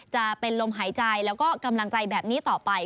จะเป็นลมหายใจแล้วก็กำลังใจแบบนี้ต่อไป